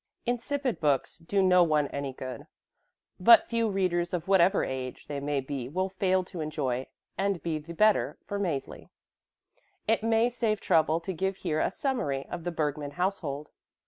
Insipid books do no one any good, but few readers of whatever age they may be will fail to enjoy and be the better for Mäzli. It may save trouble to give here a summary of the Bergmann household.